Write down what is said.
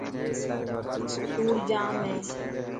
ڌوڙ ڄام هي.